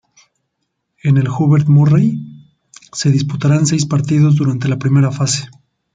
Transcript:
En el Hubert Murray se disputarán seis partidos durante la primera fase.